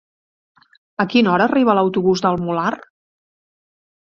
A quina hora arriba l'autobús del Molar?